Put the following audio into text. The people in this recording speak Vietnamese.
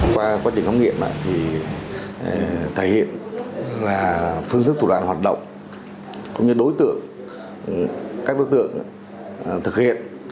qua quá trình khám nghiệm thì thể hiện là phương thức thủ đoạn hoạt động cũng như đối tượng các đối tượng thực hiện